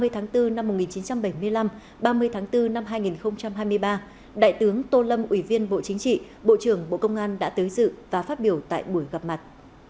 ba mươi tháng bốn năm một nghìn chín trăm bảy mươi năm ba mươi tháng bốn năm hai nghìn hai mươi ba đại tướng tô lâm ủy viên bộ chính trị bộ trưởng bộ công an đã tới dự và phát biểu tại buổi gặp mặt